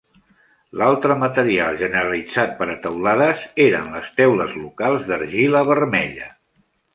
L'altre material generalitzat per a teulades eren les teules locals d'argila vermella.